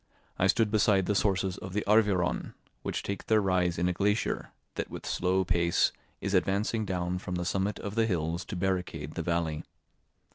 I stood beside the sources of the Arveiron, which take their rise in a glacier, that with slow pace is advancing down from the summit of the hills to barricade the valley.